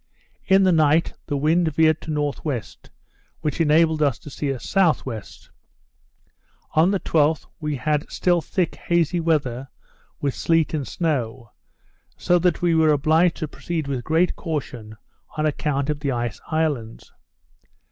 In the night the wind veered to N.W. which enabled us to steer S.W. On the 12th we had still thick hazy weather, with sleet and snow; so that we were obliged to proceed with great caution on account of the ice islands.